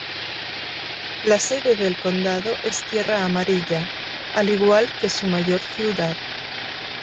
La sede del condado es Tierra Amarilla, al igual que su mayor ciudad.